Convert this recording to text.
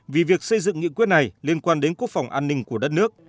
vì việc xây dựng nghị quyết này liên quan đến quốc phòng an ninh của đất nước